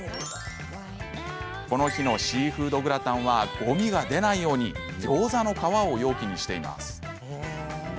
この日のシーフードグラタンはごみが出ないようにギョーザの皮を容器にしています。